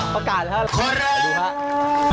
พระกาศครับ